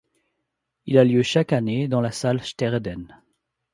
Il a lieu chaque année dans la salle Steredenn.